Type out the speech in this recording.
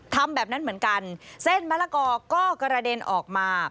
ทำแบบนั้นเหมือนกันเส้นมะละกอก็กระเด็นออกมา